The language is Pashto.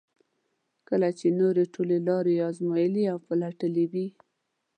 کله چې نورې ټولې لارې یې ازمایلې او پلټلې وي.